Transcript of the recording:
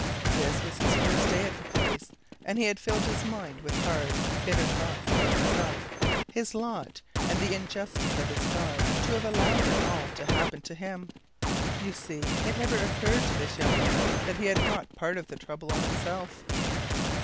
This was his first day at the place, and he had filled his mind with hard, bitter thoughts about himself, his lot, and the injustice of his God to have allowed it all to happen to him. You see it never occurred to this young man that he had brought part of the trouble on himself.